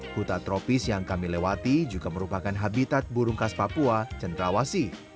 hutan tropis yang kami lewati juga merupakan habitat burung khas papua cendrawasi